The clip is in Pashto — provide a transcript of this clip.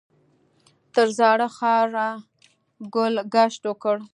تر زاړه ښاره ګل ګشت وکړ.